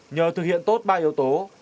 nhờ thực hiện tốt ba yếu tố